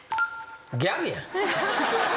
ギャルやん。